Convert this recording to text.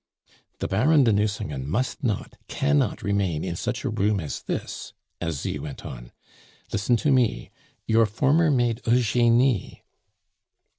"The Baron de Nucingen must not, cannot remain in such a room as this," Asie went on. "Listen to me; your former maid Eugenie."